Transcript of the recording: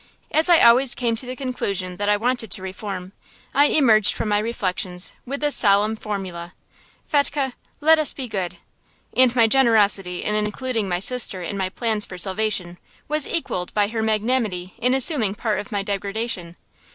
As I always came to the conclusion that I wanted to reform, I emerged from my reflections with this solemn formula: "Fetchke, let us be good." And my generosity in including my sister in my plans for salvation was equalled by her magnanimity in assuming part of my degradation.